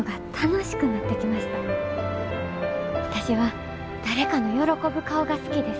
私は誰かの喜ぶ顔が好きです。